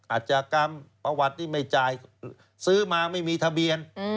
อาจจะกรรมประวัติที่ไม่จ่ายซื้อมาไม่มีทะเบียน